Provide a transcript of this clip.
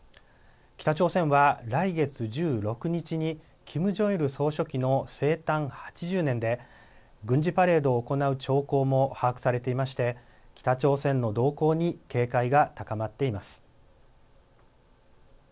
北朝鮮は来月１６日にキム・ジョンイル総書記の生誕８０年で軍事パレードを行う兆候も把握されていまして北朝鮮の動向に警戒が高まっています。